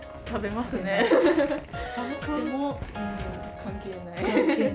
関係ない。